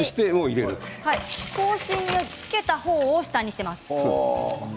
格子をつけた方を下にしています。